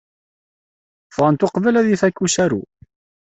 Ffɣent uqbel ad ifak usaru.